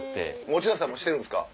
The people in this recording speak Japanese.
持田さんもしてるんですか？